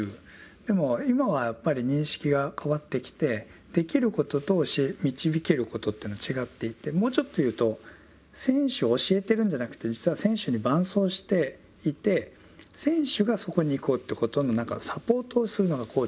でも今はやっぱり認識が変わってきてできることと教え導けることというのは違っていてもうちょっと言うと選手を教えてるんじゃなくて実は選手に伴走していて選手がそこに行こうってことの何かサポートをするのがコーチだっていう。